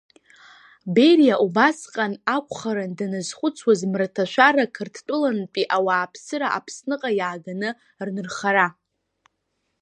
Бериа убасҟан акәхарын даназхәыцуаз Мраҭашәара Қырҭтәылантәи ауааԥсыра Аԥсныҟа иааганы рнырхара.